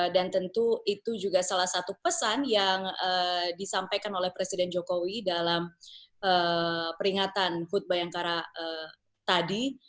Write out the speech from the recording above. dan tentu itu juga salah satu pesan yang disampaikan oleh presiden jokowi dalam peringatan hut bayangkara tadi